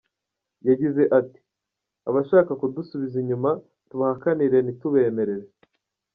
Yagize ati “Abashaka kudusubiza inyuma tubahakanire, ntitubemerere.